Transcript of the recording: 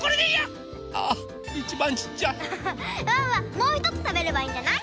もうひとつたべればいいんじゃない？